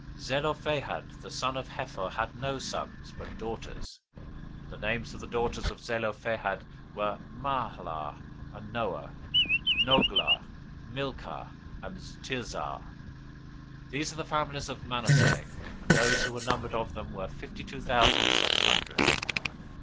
026:033 Zelophehad the son of Hepher had no sons, but daughters: and the names of the daughters of Zelophehad were Mahlah, and Noah, Hoglah, Milcah, and Tirzah. 026:034 These are the families of Manasseh; and those who were numbered of them were fifty two thousand seven hundred.